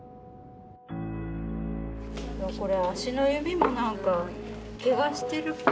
これ足の指もなんかけがしてるっぽい。